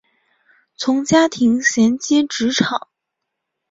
从家庭衔接职场